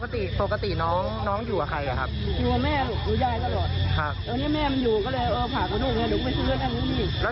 ครับแล้วปกติน้องอยู่กับใครอ่ะครับอยู่กับแม่ลูกดูยายตลอด